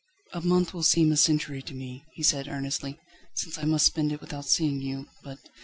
"A month will seem a century to me," he said earnestly, "since I must spend it without seeing you, but